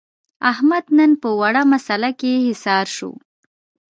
احمد نن په وړه مسعله کې حصار شو.